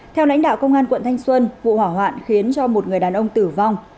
theo lãnh đạo công an quận thanh xuân vụ hỏa hoạn khiến cho một người đàn ông tử vong